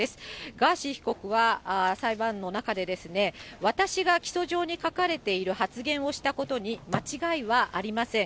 ガーシー被告は裁判の中で、私が起訴状に書かれている発言をしたことに間違いはありません。